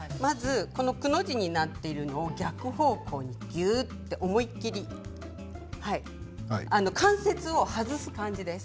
くの字になっているのを逆方向にぐっと思い切り関節を外す感じです。